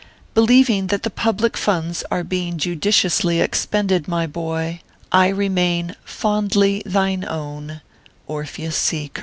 Believing that the public funds are being judiciously expended, my boy, I remain, Fondly thine own, ORPHEUS C.